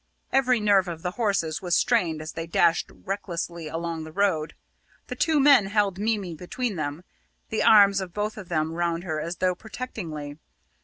Every nerve of the horses was strained as they dashed recklessly along the road. The two men held Mimi between them, the arms of both of them round her as though protectingly.